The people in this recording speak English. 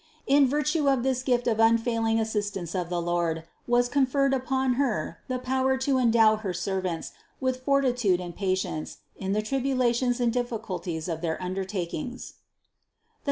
In virtue of this gift of unfailing assistance of the Lord, was conferred upon Her the power to endow her ser vants with fortitude and patience in the tribulations and difficulties of their undertakings.